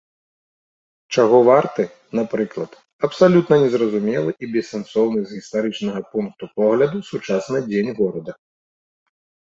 Чаго варты, напрыклад, абсалютна незразумелы і бессэнсоўны з гістарычнага пункту погляду сучасны дзень горада.